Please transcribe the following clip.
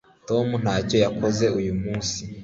tom ntacyo yakoze uyu munsi